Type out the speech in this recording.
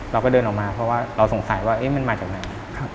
เราก็เดินออกมาเพราะว่าเราสงสัยว่ามันมาจากไหน